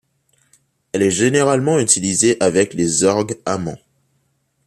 Elle est généralement utilisée avec les orgues Hammond.